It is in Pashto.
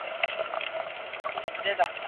مشوره کول عقل دی.